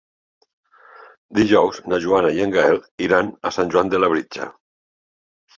Dijous na Joana i en Gaël iran a Sant Joan de Labritja.